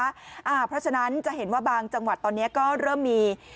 เพราะฉะนั้นจะเห็นว่าบางจังหวัดตอนนี้ก็เริ่มมี